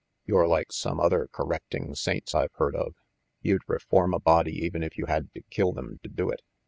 You're like some other correcting saints I've heard of. You'd reform a body even if you had to kill them to do it.